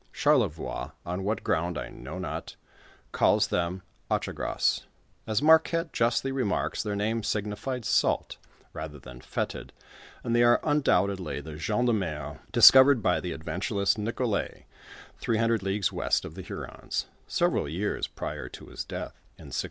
Charlevoix, on what ground I know not, calls them Otchagraa As Marquette justly remarks, their name signified snlt, rather than Fetid, and they are undoubtedly the Oen» de mer discovered by the adventurous Nicolet three hundred leagues west of the Hurons, several years prior to his death, in 1642.